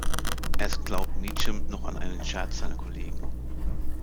Erst glaubt Meacham noch an einen Scherz seiner Kollegen.